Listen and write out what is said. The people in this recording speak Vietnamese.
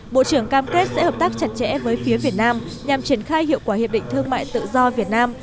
bộ trưởng cam kết sẽ hợp tác chặt chẽ với phía việt nam nhằm triển khai hiệu quả hiệp định thương mại tự do việt nam